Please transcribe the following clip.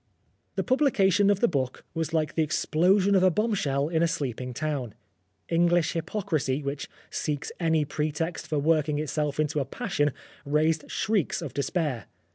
The publication of the book was like the explosion of a bombshell in a sleeping town. English hypocrisy, which seeks any pretext for working itself into a passion, raised shrieks of despair.